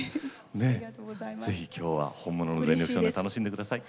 ねえぜひ今日は本物の「全力少年」楽しんで下さい。